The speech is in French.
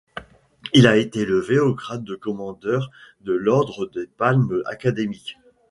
Il a été élevé au grade de Commandeur de l'Ordre des Palmes académiques.